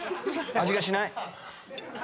味がしない？